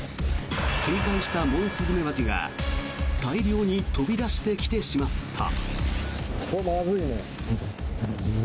警戒したモンスズメバチが大量に飛び出してきてしまった。